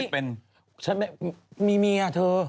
ผมมีเมียเธอ